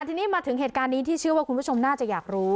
ทีนี้มาถึงเหตุการณ์นี้ที่เชื่อว่าคุณผู้ชมน่าจะอยากรู้